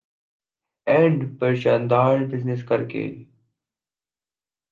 and پر شاندار business کرکے